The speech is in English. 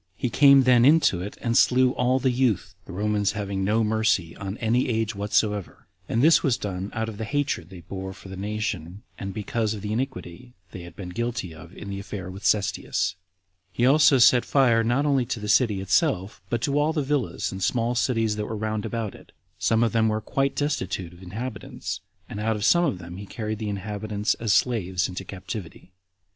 He came then into it, and slew all the youth, the Romans having no mercy on any age whatsoever; and this was done out of the hatred they bore the nation, and because of the iniquity they had been guilty of in the affair of Cestius. He also set fire not only to the city itself, but to all the villas and small cities that were round about it; some of them were quite destitute of inhabitants, and out of some of them he carried the inhabitants as slaves into captivity.